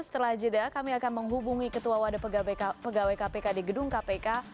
setelah jeda kami akan menghubungi ketua wadah pegawai kpk di gedung kpk